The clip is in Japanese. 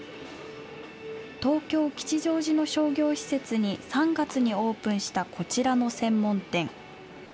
東京・吉祥寺の商業施設に３月にオープンしたこちらの専門店。